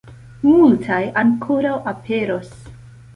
Multaj ankoraŭ aperos.